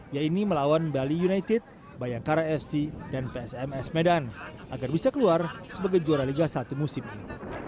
yaitu melawan bali united bayangkara fc dan psms medan agar bisa keluar sebagai juara liga satu musim ini